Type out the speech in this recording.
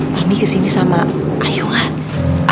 mami kesini sama ayu gak